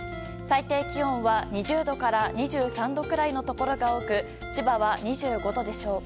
最低気温は２０度から２３度くらいのところが多く千葉は２５度でしょう。